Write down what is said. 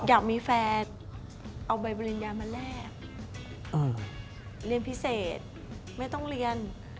อยากมีแฟนเอาใบปริญญามาแลกเรียนพิเศษไม่ต้องเรียน